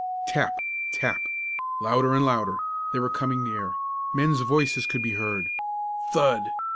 Tap! tap! louder and louder; they were coming near, men's voices could be heard; thud!